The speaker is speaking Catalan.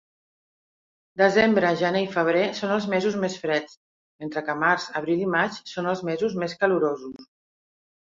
Desembre, gener i febrer són els mesos més freds, mentre que març, abril i maig són els mesos més calorosos.